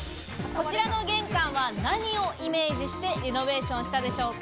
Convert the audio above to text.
こちらの玄関は何をイメージしてリノベーションしたでしょうか？